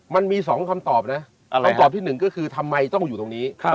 มันมี๒คำตอบนะคำตอบที่หนึ่งก็คือทำไมต้องอยู่ตรงนี้